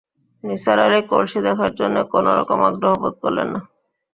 নিসার আলি কলসি দেখার জন্যে কোনো রকম আগ্রহ বোধ করলেন না।